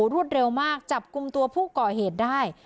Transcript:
รวดเร็วมากจับกลุ่มตัวผู้ก่อเหตุได้